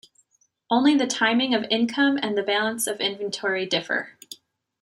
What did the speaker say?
Only the timing of income and the balance of inventory differ.